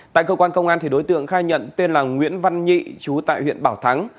tại cơ quan công an đối tượng khai nhận tên là nguyễn văn nhị chú tại huyện bảo thắng